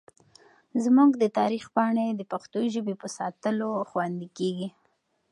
زموږ د تاریخ پاڼې د پښتو ژبې په ساتلو خوندي کېږي.